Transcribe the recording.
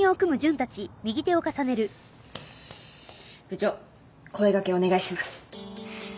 部長声がけお願いします。